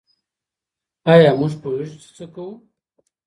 ایا موږ پوهیږو چي څه کوو؟